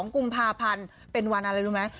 ๒กุมภาพันธ์เป็นวันอะไรรู้ไหม